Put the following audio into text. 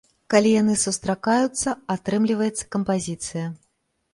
Калі яны сустракаюцца, атрымліваецца кампазіцыя.